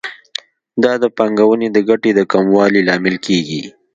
دا د پانګونې د ګټې د کموالي لامل کیږي.